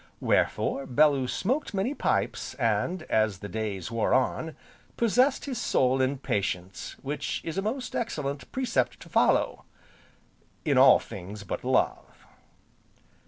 Wherefore Bellew smoked many pipes, and, as the days wore on, possessed his soul in patience, which is a most excellent precept to follow in all things but love.